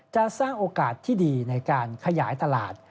จะสร้างโอกาสที่ดีในการขยายตลาด